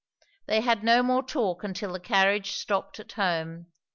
They had no more talk until the carriage stopped at home.